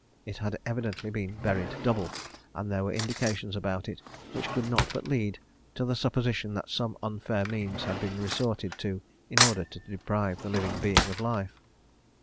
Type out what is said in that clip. It had evidently been buried double; and there were indications about it which could not but lead to the supposition that some unfair means had been resorted to in order to deprive the living being of life.